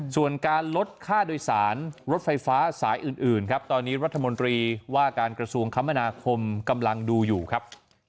ส่วนการลดค่าโดยสารรถไฟฟ้าสายอื่นครับตอนนี้รัฐมนตรีว่าการกระทรวงคมนาคมกำลังดูอยู่ครับ